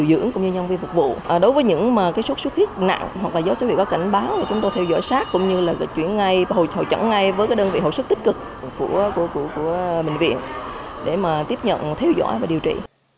đối với những sốt xuất huyết nặng hoặc do sốt huyết có cảnh báo chúng tôi theo dõi sát cũng như chuyển ngay hồi chẩn ngay với đơn vị hội sức tích cực của bệnh viện để tiếp nhận theo dõi và điều trị